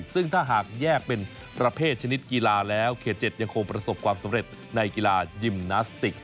ซึ่งถ้าหากแยกเป็นประเภทชนิดกีฬาแล้วเขต๗ยังคงประสบความสำเร็จในกีฬายิมนาสติก